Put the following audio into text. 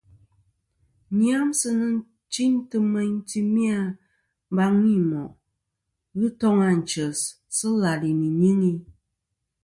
Nyamsɨ nɨ̂n chintɨ meyn timi a mbaŋi i moʼ. Ghɨ toŋ ànchès, sɨ làlì nɨ̀ ìnyɨŋi.